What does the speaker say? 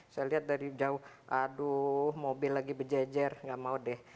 saya lihat dari jauh aduh mobil lagi berjejer nggak mau deh